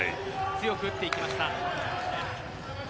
強く打っていきました。